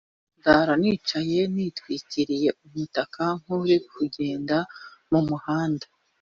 ndara n’icaye nitwikiriye umutaka nk’uri kugenda mu muhanda